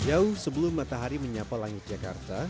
jauh sebelum matahari menyapa langit jakarta